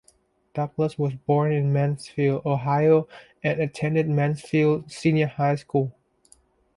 Douglas was born in Mansfield, Ohio and attended Mansfield Senior High School.